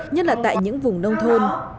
nhất là tại những vùng nông thôn